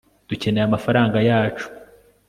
dukeneye amafaranga yacu